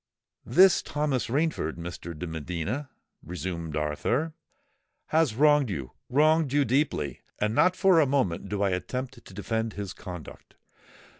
"This Thomas Rainford, Mr. de Medina," resumed Arthur, "has wronged you—wronged you deeply; and not for a moment do I attempt to defend his conduct."